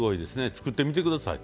作ってみてください。